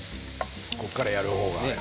ここからやる方が。